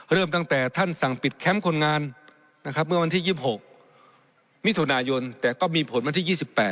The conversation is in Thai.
เริ่มตั้งแต่ท่านสั่งปิดแคมป์คนงานนะครับเมื่อวันที่๒๖มิถุนายนแต่ก็มีผลวันที่๒๘